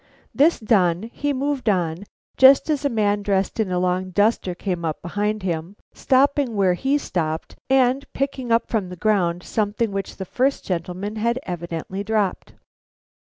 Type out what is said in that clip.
This done, he moved on, just as a man dressed in a long duster came up behind him, stopping where he stopped and picking up from the ground something which the first gentleman had evidently dropped.